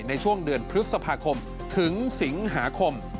ในช่วงเดือนพฤษภาคมถึงสิงหาคม